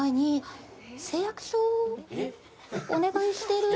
お願いしてる